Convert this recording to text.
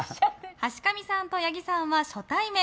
橋上さんと八木さんは初対面。